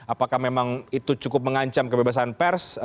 apakah memang itu cukup mengancam kebebasan pers